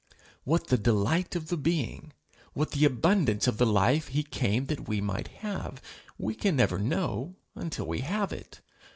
What the delight of the being, what the abundance of the life he came that we might have, we can never know until we have it.